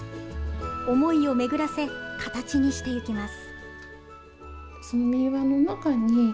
思いを巡らせ形にしていきます。